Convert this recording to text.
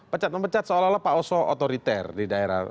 pecat memecat seolah olah pak oso otoriter di daerah